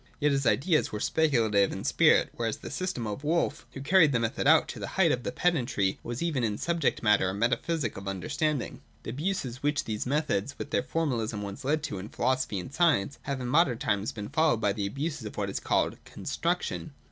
Yet his ideas were speculative in spirit ; whereas the system of Wolf, who carried the method out to the height of pedantry, was even in subject matter a metaphysic of the understanding. The abuses which these methods with their formalism once led to in philosophy and science have in modern times been followed by the abuses of what is called 'Construction.'